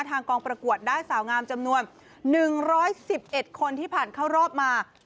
กองประกวดได้สาวงามจำนวน๑๑๑คนที่ผ่านเข้ารอบมา